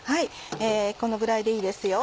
このぐらいでいいですよ。